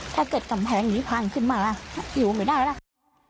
ถ้าเกิดกำแพงนี้พังขึ้นมาอยู่ไม่ได้แล้วค่ะ